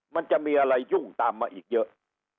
มันจะมีอะไรยุ่งตามมาอีกเยอะ